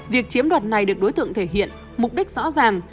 việc chiếm đoạt này được đối tượng thể hiện mục đích rõ ràng